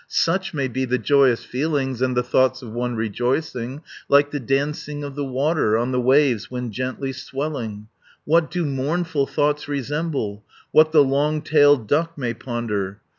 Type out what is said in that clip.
Such may be the joyous feelings, And the thoughts of one rejoicing; 200 Like the dancing of the water On the waves when gently swelling. What do mournful thoughts resemble? What the long tailed duck may ponder?